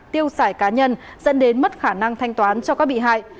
tiêu sải cá nhân dẫn đến mất khả năng thanh toán cho các bị hại